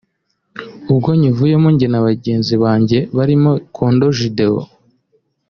ubwo nyivuyemo njye n’abandi bagenzi banjye barimo Condo Gedeon